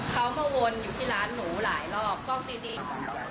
เขามาวนอยู่ที่ร้านหนูหลายรอบกล้องจริง